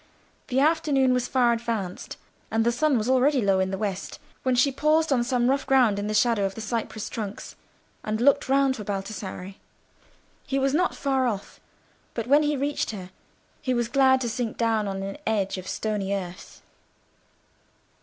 The afternoon was far advanced, and the sun was already low in the west, when she paused on some rough ground in the shadow of the cypress trunks, and looked round for Baldassarre. He was not far off, but when he reached her, he was glad to sink down on an edge of stony earth.